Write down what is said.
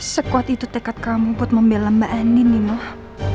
sekuat itu tekad kamu buat membela mbak ani nih mbak